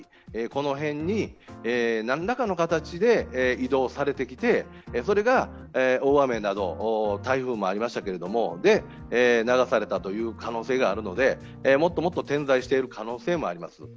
この辺に何らかの形で移動されてきて、それが大雨など、台風もありましたけれども流されたという可能性があるのでもっともっと点在している可能性もあります。